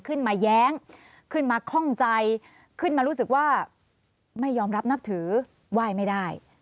แย้งขึ้นมาคล่องใจขึ้นมารู้สึกว่าไม่ยอมรับนับถือไหว้ไม่ได้